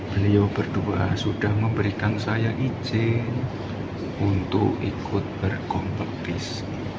beliau berdua sudah memberikan saya izin untuk ikut berkompetisi